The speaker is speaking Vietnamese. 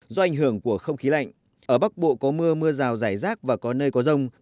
do ảnh hưởng của không khí lạnh ở bắc bộ có mưa mưa rào rải rác và có nơi có rông